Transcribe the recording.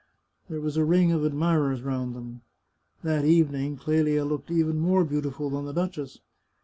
There was a ring of admirers round them. That evening, Clelia looked even more beautiful than the duchess.